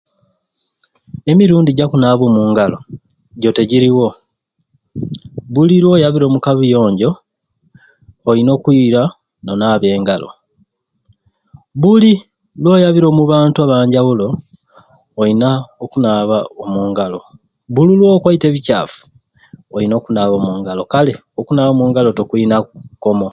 Emirundi jakunaba omungalo jjo tejirowo, buli lwoyabire omuka buyonjo oyina okwira nonaba engalo buli lwoyabire omubantu abanjawulo olina okunaba omungalo buli lwo kwaite ebikyaffu oyina okunaba omungalo kale okunaba omungalo tekuyina komo.